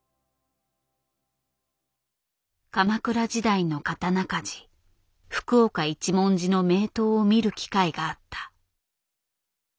鎌倉時代の刀鍛冶福岡一文字の名刀を見る機会があった。